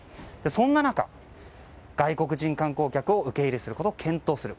そんな中、外国人観光客を受け入れすることを検討する